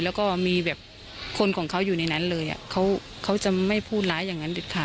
แล้วก็มีแบบคนของเขาอยู่ในนั้นเลยเขาจะไม่พูดร้ายอย่างนั้นเด็ดขาด